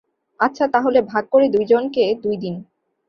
আচ্ছা, তাহলে ভাগ করে দুইজনকে দুইদিন।